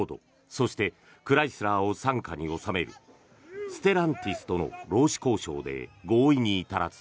そして、クライスラーを傘下に収めるステランティスとの労使交渉で合意に至らず